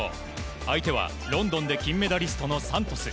相手はロンドンで金メダリストのサントス。